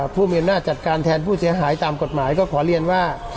ผู้มีอำนาจจัดการแทนผู้เสียหายตามกฎหมายก็ขอเรียนว่า